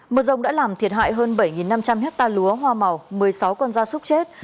mưa rông đã làm thiệt hại hơn bảy năm trăm linh hectare lúa hoa màu một mươi sáu con da súc chết